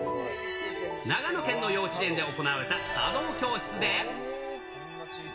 長野県の幼稚園で行われた茶道教室で。